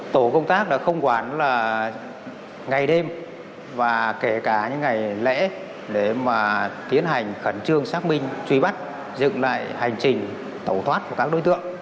tổ công tác đã không quản là ngày đêm và kể cả những ngày lễ để mà tiến hành khẩn trương xác minh truy bắt dựng lại hành trình tẩu thoát của các đối tượng